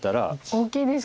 大きいですね。